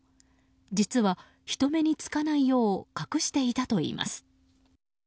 実は、人目につかないよう隠していたといいます。